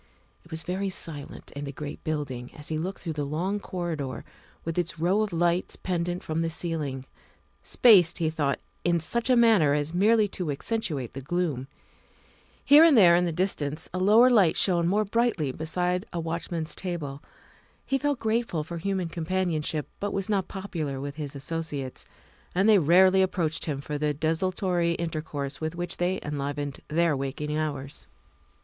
It was very silent in the great building as he looked through the long corridor with its row of lights pendent from the ceiling, spaced, he thought, in such a manner as merely to accentuate the gloom. Here and there in the distance a lower light shone more brightly beside a watchman's table; he felt grateful for human com panionship, but was not popular with his associates, and THE SECRETARY OF STATE 271 they rarely approached him for the desultory inter course with which they enlivened their waking hours.